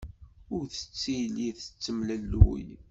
Ur telli tettemlelluy.